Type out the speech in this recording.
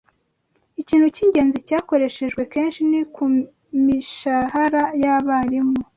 Ikintu cyingenzi cyakoreshejwe kenshi ni kumishahara yabarimu